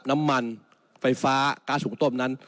น้ำมันไฟฟ้าก๊าซหุงต้มนั้น